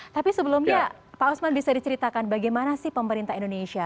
tapi sebelumnya pak osman bisa diceritakan bagaimana sih pemerintah indonesia